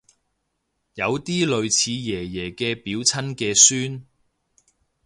有啲類似爺爺嘅表親嘅孫